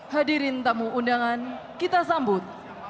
hadirin tamu undangan kita sambut